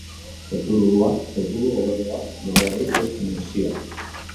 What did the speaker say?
Kopuruak kopuru, gobernuak bereari eutsi zion.